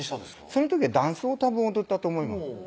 その時はダンスをたぶん踊ったと思います